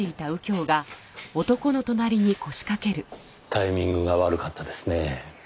タイミングが悪かったですね。